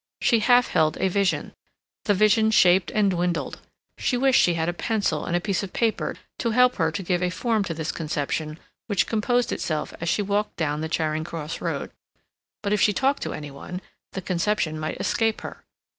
She half held a vision; the vision shaped and dwindled. She wished she had a pencil and a piece of paper to help her to give a form to this conception which composed itself as she walked down the Charing Cross Road. But if she talked to any one, the conception might escape her.